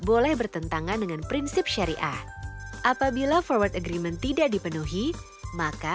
boleh bertentangan dengan prinsip syariah apabila forward agreement tidak dipenuhi maka